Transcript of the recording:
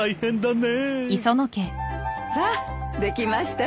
さあできましたよ。